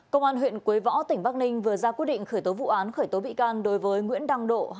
công an huyện quế võ tỉnh bắc ninh vừa ra quyết định khởi tố vụ án khởi tố bị can đối với nguyễn đăng độ